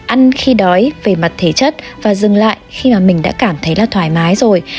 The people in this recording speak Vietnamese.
ăn khi đói về mặt thể chất và dừng lại khi mà mình đã cảm thấy là thoải mái rồi